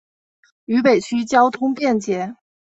渝北区交通便捷。